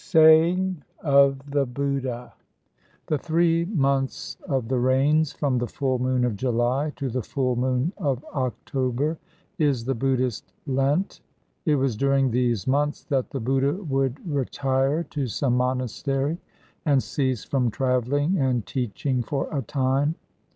Saying of the Buddha. The three months of the rains, from the full moon of July to the full moon of October, is the Buddhist Lent. It was during these months that the Buddha would retire to some monastery and cease from travelling and teaching for a time.